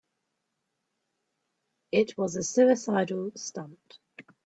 It was a suicidal stunt.